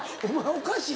おかしい